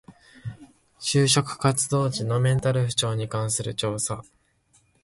就職活動時のメンタル不調に関する調査